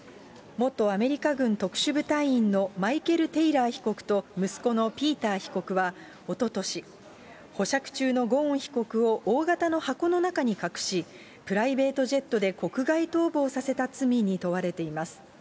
元アメリカ軍特殊部隊員のマイケル・テイラー被告と息子のピーター被告はおととし、保釈中のゴーン被告を大型の箱の中に隠し、プライベートジェットで国外逃亡させた罪に問われています。